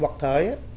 vật thể á